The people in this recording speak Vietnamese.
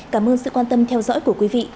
cảm ơn sự quan tâm theo dõi của quý vị